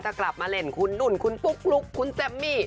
ถ้ากลับมาเล่นคุณหนุ่นคุณปุ๊กลุ๊กคุณแซมมี่